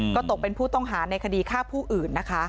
ก็ตกเป็นผู้ต้องหาในคดีฆ่าผู้อื่นนะคะ